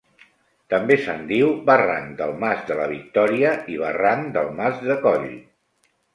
També se'n diu Barranc del Mas de la Victòria i Barranc del mas de Coll.